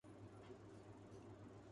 میری شادی کو تیسرا سال چل رہا ہے